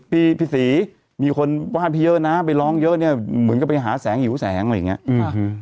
พี่พี่ศรีมีคนว่านพี่เยอะนะไปร้องเยอะเนี้ยเหมือนกับไปหาแสงหิวแสงอะไรอย่างเงี้อืม